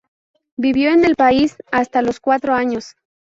Vivió en el país hasta los cuatro años.